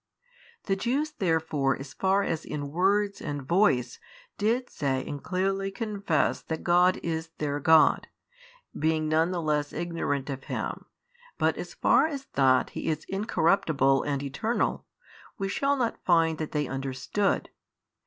The Jews therefore as far as in words and voice did say and clearly confess that God is their God, being none the less ignorant of Him, but as far as that He is Incorruptible and Eternal, we shall not find that they understood.